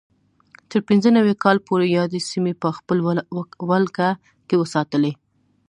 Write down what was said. تر پینځه نوي کال پورې یادې سیمې په خپل ولکه کې وساتلې.